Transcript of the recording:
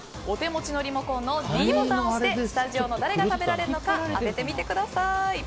お手持ちのリモコンのｄボタンを押してスタジオの誰が食べられるのか当ててみてください。